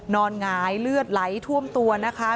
หงายเลือดไหลท่วมตัวนะคะ